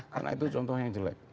karena itu contoh yang jelek